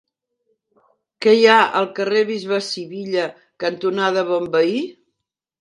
Què hi ha al carrer Bisbe Sivilla cantonada Bonveí?